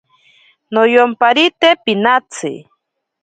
Noyomparite pinatsi.